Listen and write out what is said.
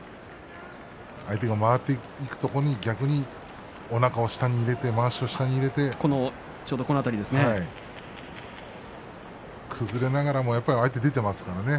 相手が回っていくところに逆におなかを下に入れてまわしを下に入れて崩れながらも、相手出ていますからね